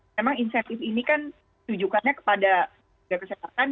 memang insentif ini kan tujukannya kepada kesehatan